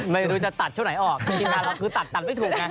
ไม่รู้จะตัดช่วงไหนออกทีมงานเราคือตัดตัดไม่ถูกไง